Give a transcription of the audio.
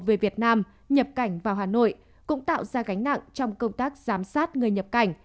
về việt nam nhập cảnh vào hà nội cũng tạo ra gánh nặng trong công tác giám sát người nhập cảnh